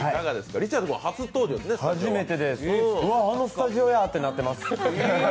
うわっ、あのスタジオやってなってます。